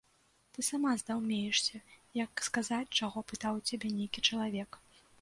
Ты сама здаўмеешся, як сказаць, чаго пытаў у цябе нейкі чалавек.